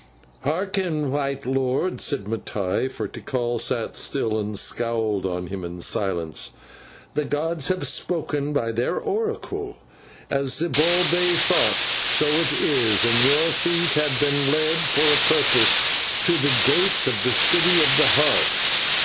"Hearken, white lord," said Mattai, for Tikal sat still and scowled on him in silence; "the gods have spoken by their oracle. As Zibalbay thought, so it is, and your feet have been led for a purpose to the gates of the City of the Heart.